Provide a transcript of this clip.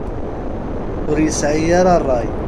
Ur yesɛi ara ṛṛay.